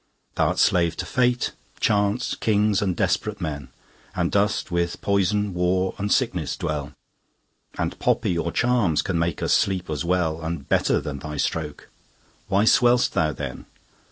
Thou'rt slave to fate, chance, kings, and desperate men, And dost with poison, war, and sickness dwell; 10 And poppy or charms can make us sleep as well And better than thy stroke. Why swell'st thou then?